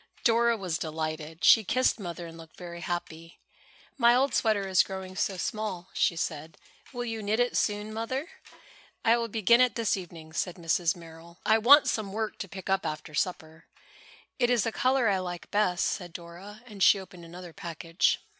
Dora was delighted. She kissed Mother and looked very happy. "My old sweater is growing so small," she said. "Will you knit it soon, Mother?" "I will begin it this evening," said Mrs. Merrill. "I want some work to pick up after supper." "It is the color I like best," said Dora, and she opened another package.